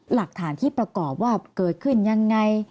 หลักฐานที่ประกอบว่าเกิดขึ้นยังไง